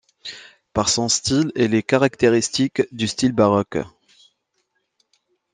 Par son style, elle est caractéristique du style baroque.